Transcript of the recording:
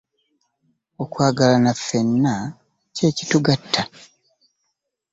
Okwagalana ffenna kyekitugatta.